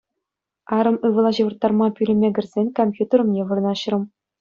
Арӑм ывӑла ҫывӑрттарма пӳлӗме кӗрсен компьютер умне вырнаҫрӑм.